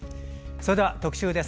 それでは特集です。